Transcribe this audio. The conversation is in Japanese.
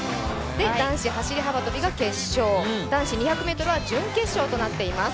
男子走幅跳が決勝、男子２００ｍが準決勝となっています。